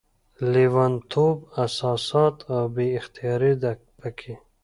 لېونتوب، احساسات او بې اختياري ده پکې